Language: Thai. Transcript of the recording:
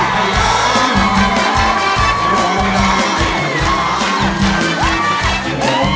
เพลงที่สองมูลค่าหนึ่งหมื่นบาทนะครับ